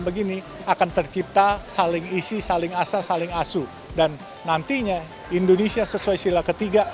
begini akan tercipta saling isi saling asa saling asu dan nantinya indonesia sesuai sila ketiga